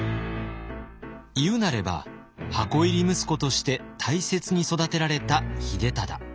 言うなれば箱入り息子として大切に育てられた秀忠。